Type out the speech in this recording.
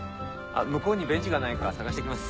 向こうにベンチがないか探して来ます。